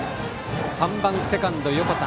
３番、セカンドの横田。